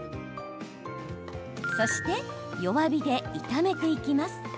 そして、弱火で炒めていきます。